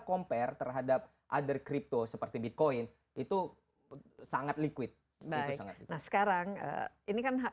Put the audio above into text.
compare terhadap other crypto seperti bitcoin itu sangat liquid baik nah sekarang ini kan